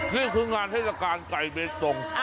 นี่คืองานเทศกาลไก่เบตง